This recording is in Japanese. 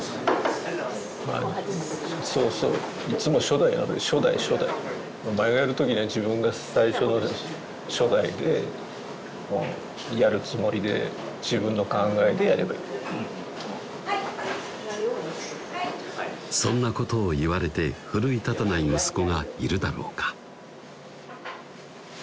まぁそうそういつも初代初代初代お前がやる時ね自分が最初の初代でやるつもりで自分の考えでやればいいそんなことを言われて奮い立たない息子がいるだろうか